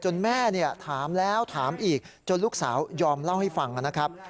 แม่ถามแล้วถามอีกจนลูกสาวยอมเล่าให้ฟังนะครับ